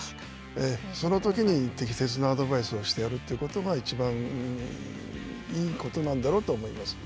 そのときに適切なアドバイスをしてやるということが、いちばんいいことなんだろうと思います。